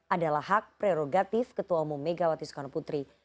adalah hak prerogatif ketua umum megawati soekarno putri